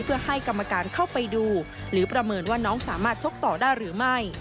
เพื่อให้กรรมการเข้าไปดูหรือประเมินว่าน้องสามารถชกต่อได้หรือไม่